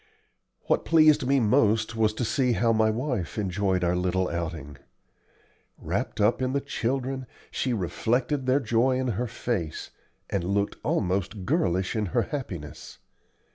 What pleased me most was to see how my wife enjoyed our little outing. Wrapped up in the children, she reflected their joy in her face, and looked almost girlish in her happiness.